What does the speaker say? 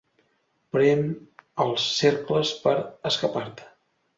Prem als cercles per escapar-te.